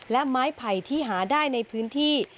และไม้ไผ่ที่หาได้ในพื้นที่